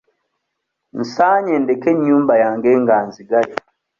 Nsaanye ndeke ennyumba yange nga nzigale.